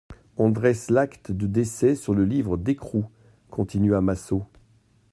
On dresse l'acte de décès sur le livre d'écrou, continua Massot.